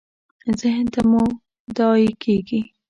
ذهن ته مو تداعي کېږي .